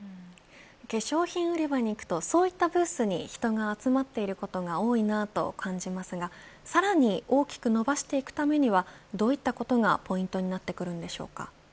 化粧品売り場に行くとそういったブースに人が集まっていることが多いなと感じますがさらに大きく伸ばしていくためにはどういったことがポイントになってくるんでしょうか。